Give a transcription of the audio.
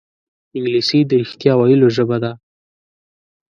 انګلیسي د رښتیا ویلو ژبه ده